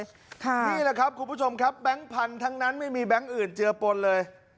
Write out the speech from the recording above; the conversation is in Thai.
นี่แหละครับคุณผู้ชมครับแบงค์พันธุ์ทั้งนั้นไม่มีแบงค์อื่นเจือปนเลย